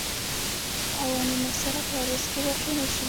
قوانونو سره تعارض کې واقع نه شي.